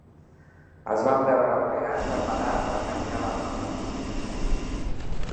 Es van veure obligats a parar per canviar la roda del cotxe.